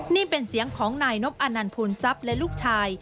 นี่เป็นเสียงของนายนพอันนันภูมิซับและลูกชาย